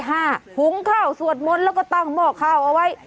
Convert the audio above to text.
หุงข้าวสวดมนต์แล้วก็ตั้งหม้อข้าวเอาไว้